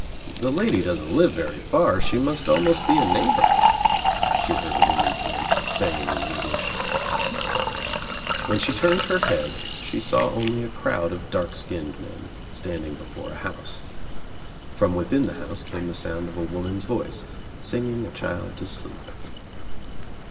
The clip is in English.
"The lady doesn't live very far. She must be almost a neighbor," she heard a woman's voice saying in English. When she turned her head she saw only a crowd of dark sktnned men standing before a house. From within the house came the sound of a woman's voice singing a child to sleep.